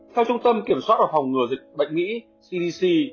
theo trung tâm kiểm soát hồng ngừa dịch bệnh mỹ cdc